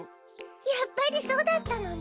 やっぱりそうだったのね。